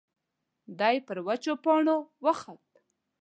دی پر وچو پاڼو وخوت.